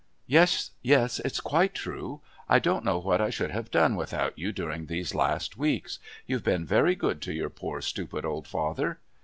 "Yes, yes, it's quite true. I don't know what I should have done without you during these last weeks. You've been very good to your poor, stupid, old father!"